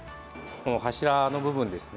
柱の部分ですね。